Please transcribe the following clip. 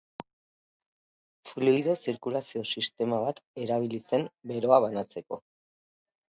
Fluido zirkulazio sistema bat erabili zen beroa banatzeko.